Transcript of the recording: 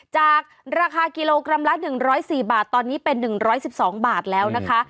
จากราคากิโลกรัมละหนึ่งร้อยสี่บาทตอนนี้เป็นหนึ่งร้อยสิบสองบาทแล้วนะคะ